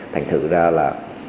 thành thử ra là